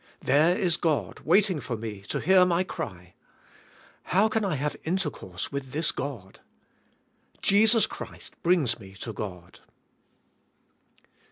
There is God waiting for me to hear my cry. How can I have intercourse with this God ? Jesus Christ brings me to God.